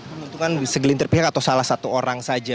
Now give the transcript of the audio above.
menguntungkan segelintir pihak atau salah satu orang saja